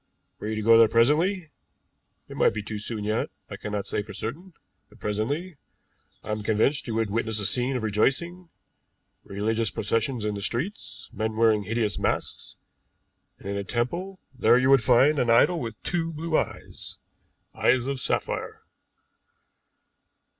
Were you to go there presently it might be too soon yet, I cannot say for certain but presently, I am convinced you would witness a scene of rejoicing, religious processions in the streets, men wearing hideous masks; and in a temple there you would find an idol with two blue eyes eyes of sapphire."